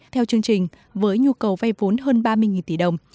theo chương trình với nhu cầu vay vốn hơn ba mươi tỷ đồng